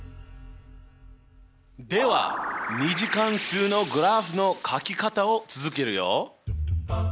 では２次関数のグラフのかき方を続けるよ。